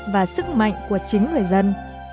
và sức mạnh của chính người dân